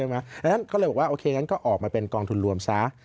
เพราะฉะนั้นก็เลยบอกว่าโอเคงั้นก็ออกมาเป็นกองทุนรวมซะ